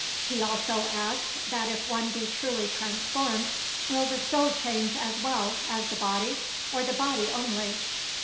He also asked that if one be truly transformed will the soul change as well as the body, or the body only?